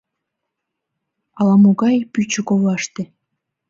Ала-могай пӱчӧ коваште...»